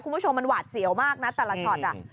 คุณผู้ชมมันหวาดเสียวมากนะแต่ละช็อต